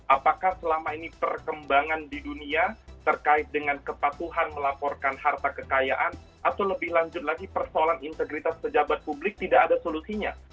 apakah selama ini perkembangan di dunia terkait dengan kepatuhan melaporkan harta kekayaan atau lebih lanjut lagi persoalan integritas pejabat publik tidak ada solusinya